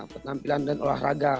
ketampilan dan olahraga